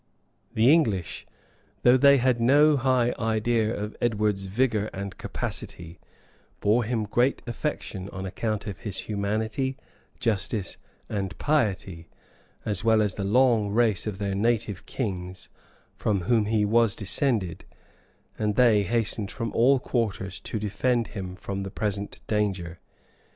The English, though they had no high idea of Edward's vigor and capacity, bore him great affection on account of his humanity, justice, and piety, as well as the long race of their native kings, from whom he was descended; and they hastened from all quarters to defend him from the present danger.